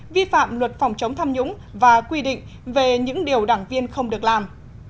vi phạm luật phòng chống tham nhũng và quy định về những điều đảng viên không được làm